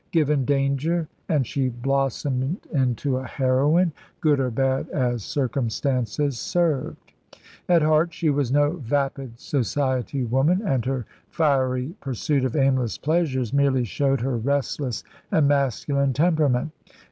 Given danger, and she blossomed into a heroine, good or bad as circumstances served. At heart she was no vapid society woman, and her fiery pursuit of aimless pleasures merely showed her restless and masculine temperament.